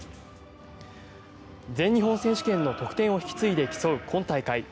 全日本選手権の得点を引き継いで競う今大会。